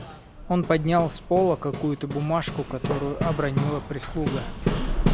Он поднял с пола какую-то бумажку, которую обронила прислуга.